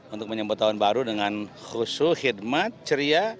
untuk menyambut tahun baru dengan khusus hikmat ceria